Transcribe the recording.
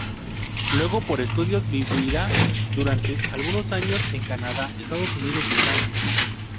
Luego, por estudios, vivirá durante algunos años en Canadá, Estados Unidos y Francia.